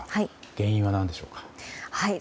原因は何でしょうか？